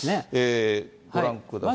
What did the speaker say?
ご覧ください。